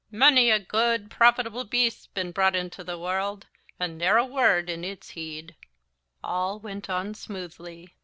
Mony a guid profitable beast's been brought into the warld and ne'er a word in in'ts heed." All went on smoothly.